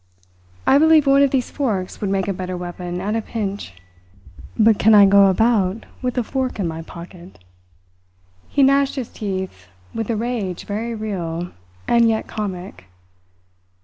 I believe one of these forks would make a better weapon at a pinch. But can I go about with a fork in my pocket?" He gnashed his teeth with a rage very real, and yet comic.